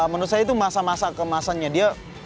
menurut saya itu masa masa kemasannya dia